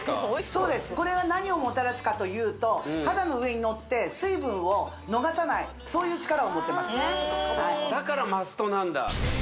そうですこれが何をもたらすかというと肌の上にのって水分を逃さないそういう力を持ってますねだからマストなんだ